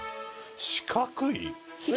四角い？